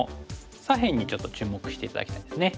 左辺にちょっと注目して頂きたいですね。